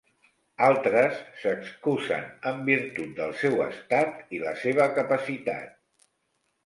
Altres s'excusen en virtut del seu estat i la seva capacitat.